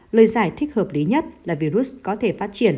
lời giải thích hợp lý nhất là virus có thể phát triển